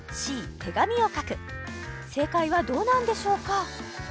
手紙を書く正解はどうなんでしょうか？